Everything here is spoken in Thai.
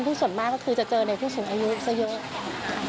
ที่ส่วนมากก็คือจะเจอในภูมิสูงอายุเท่าเยอะ